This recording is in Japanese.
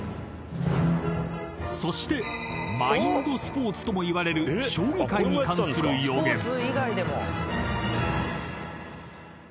［そしてマインドスポーツともいわれる将棋界に関する予言］